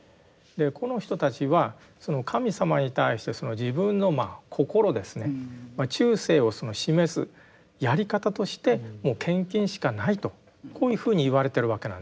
この人たちはその神様に対して自分の心ですね忠誠を示すやり方としてもう献金しかないとこういうふうに言われてるわけなんですね。